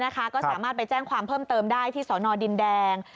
ก็สามารถไปแจ้งความเพิ่มเติมได้ที่สนดินแดง